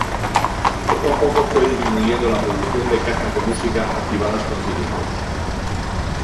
Poco a poco fue disminuyendo la producción de cajas de música activadas con cilindros.